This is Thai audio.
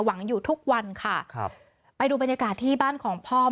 หวังอยู่ทุกวันค่ะครับไปดูบรรยากาศที่บ้านของพ่อ